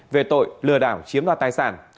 về tội lừa đảo chiếm đoạt tài sản